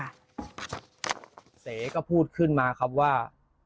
เหงาเสก็พูดขึ้นมาว่า